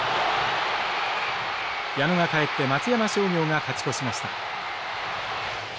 矢野が帰って松山商業が勝ち越しました。